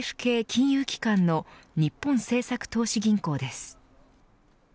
金融機関の日本政策投資銀行です。